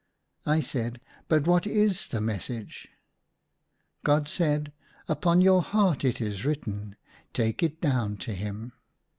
" I said, "But what is the message ?" God said, " Upon your hearts it is written ; take it down to him."